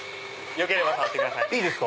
よければ触ってください。